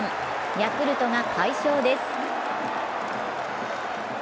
ヤクルトが快勝です。